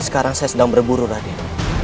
sekarang saya sedang berburu tadi